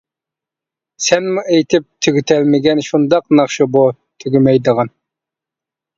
سەنمۇ ئېيتىپ تۈگىتەلمىگەن، شۇنداق ناخشا بۇ تۈگىمەيدىغان.